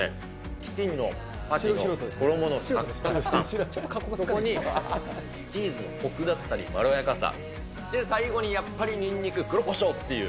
チキンのパティの衣のさくさく感、そこにチーズのこくだったりまろやかさ、で、最後にやっぱりにんにく、黒胡椒っていう。